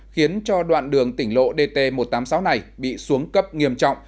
khiến cho đoạn đường tỉnh lộ dt một trăm tám mươi sáu này bị xuống cấp nghiêm trọng